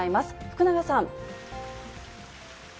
福永さん。